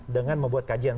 dan membuat kajian